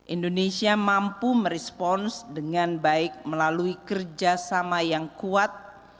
indonesia mampu merespons dengan baik melalui kerjasama yang kuat